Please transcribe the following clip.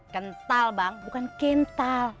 kental bang bukan kental